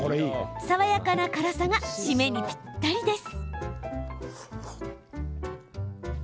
爽やかな辛さが締めにぴったりです。